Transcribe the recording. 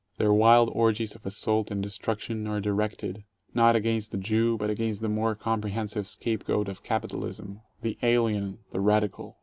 Their wild orgies of assault and destruction are directed, not against the Jew, but against the more comprehensive scape goat of Capital ism, "the alien/' the "radical."